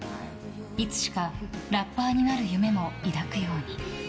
いつしかラッパーになる夢も抱くように。